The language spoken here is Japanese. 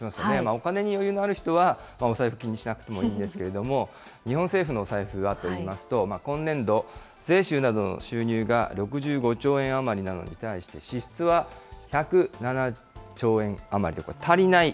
お金に余裕がある人は、お財布気にしなくてもいいんですけれども、日本政府のお財布はといいますと、今年度、税収などの収入が６５兆円余りなのに対して、支出は１０７兆円余りと足りない。